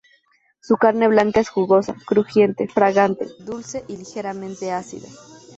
Su carne blanca es jugosa, crujiente, fragante, dulce y ligeramente ácida.